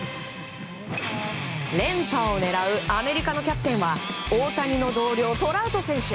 連覇を狙うアメリカのキャプテンは大谷の同僚、トラウト選手。